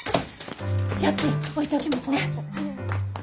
家賃置いておきますね。